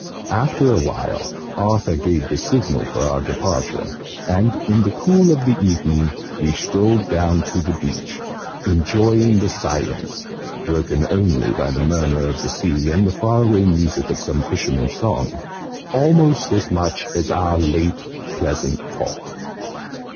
After a while, Arthur gave the signal for our departure, and in the cool of the evening we strolled down to the beach, enjoying the silence, broken only by the murmur of the sea and the far away music of some fishermen's song, almost as much as our late pleasant talk.